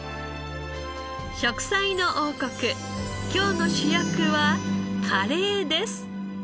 『食彩の王国』今日の主役はカレーです。